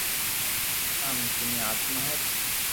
جآ مي ڪني آتما ھتي